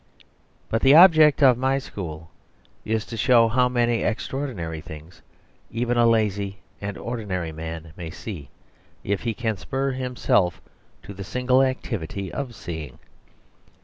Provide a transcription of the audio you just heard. But the object of my school is to show how many extraordinary things even a lazy and ordinary man may see if he can spur himself to the single activity of seeing.